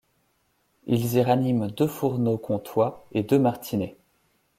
Ils y raniment deux fourneaux comtois et deux martinets.